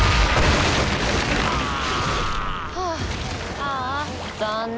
ああ残念。